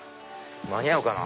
間に合うかな？